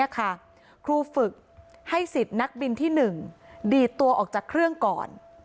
ครูฝึกให้สิทธิ์นักบินที่๑ดีดตัวออกจากเครื่องก่อน